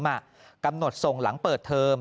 เมื่อกำหนดส่งหลังเปิดเทิม